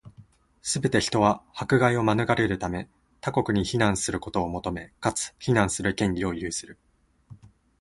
すべて人は、迫害を免れるため、他国に避難することを求め、かつ、避難する権利を有する。